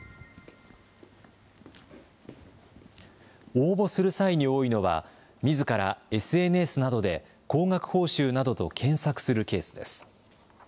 応募する際に多いのは、みずからＳＮＳなどで高額報酬などと検索するケースです。